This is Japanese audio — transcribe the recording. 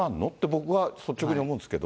僕は率直に思うんですけど。